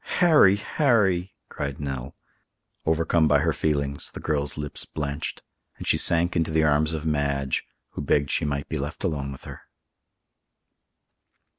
"Harry! Harry!" cried Nell. Overcome by her feelings, the girl's lips blanched, and she sank into the arms of Madge, who begged she might be left alone with her.